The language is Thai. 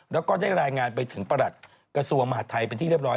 แล้วก็ได้รายงานไปถึงประหลัดกระทรวงมหาดไทยเป็นที่เรียบร้อย